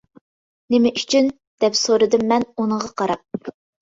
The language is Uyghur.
-نېمە ئۈچۈن؟ -دەپ سورىدىم مەن ئۇنىڭغا قاراپ.